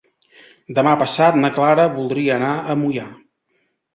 Demà passat na Clara voldria anar a Moià.